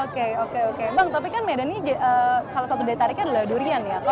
oke oke oke bang tapi kan medan ini salah satu daya tariknya adalah durian ya